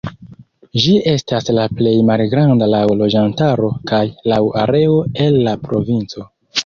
Ĝi estas la plej malgranda laŭ loĝantaro kaj laŭ areo el la provinco.